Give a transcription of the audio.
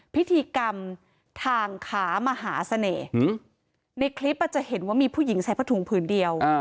พิธีกรรมทางขามหาเสน่ห์ในคลิปจะเห็นว่ามีผู้หญิงใส่ผ้าถุงผืนเดียว